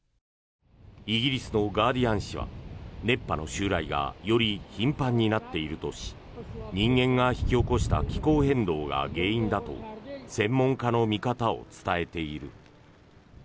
イギリスのガーディアン紙は熱波の襲来がより頻繁になっているとし人間が引き起こした気候変動が原因だと専門家の見方を伝えている。